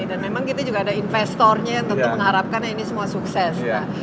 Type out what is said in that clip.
memang kita juga ada investornya yang tentu mengharapkan ini semua sukses